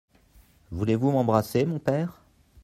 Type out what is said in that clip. Voulez-vous m’embrasser, mon père ?